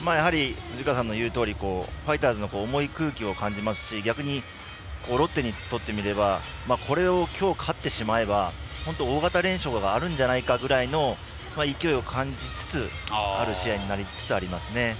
藤川さんの言うとおりファイターズの重い空気を感じますし、逆にロッテにしてみればこれを勝ってしまえば大型連勝があるのではないかという勢いを感じつつの試合になりつつありますね。